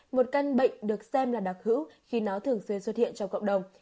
một căn bệnh được xem là đặc hữu khi nó thường xuyên xuất hiện trong cộng đồng